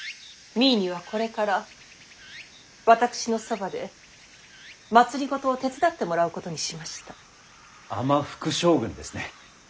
実衣にはこれから私のそばで政を手伝ってもらうことにしました。尼副将軍ですね。